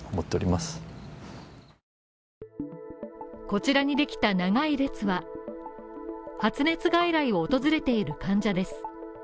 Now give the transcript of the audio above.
こちらにできた長い列は発熱外来を訪れている患者です。